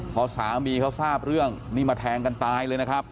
พอสามีเขาทราบเรื่องนี่มาแทงกันตายเลยนะครับ